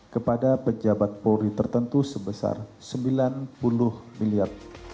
kepada pejabat polri tertentu sebesar rp sembilan puluh miliar